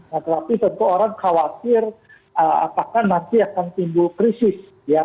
nah tetapi tentu orang khawatir apakah nanti akan timbul krisis ya